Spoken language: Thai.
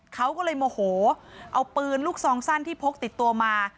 เขาก็เลยโมโหเอาปืนลูกซองสั้นที่พกติดตัวมา